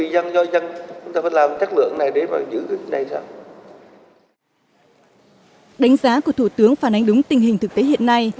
đánh giá của thủ tướng phản ánh đúng tình hình thực tế hiện nay